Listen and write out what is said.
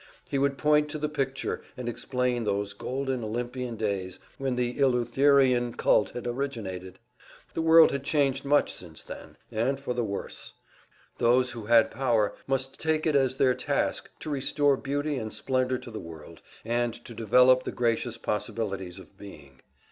He would point to the picture and explain those golden, Olympian days when the Eleutherinian cult had originated. The world had changed much since then, and for the worse; those who had power must take it as their task to restore beauty and splendor to the world, and to develop the gracious possibilities of being.